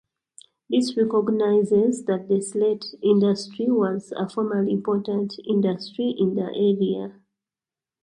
This recognizes that the slate industry was a formerly important industry in the area.